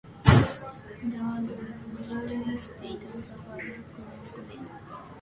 The loon statue overlooks Long Lake.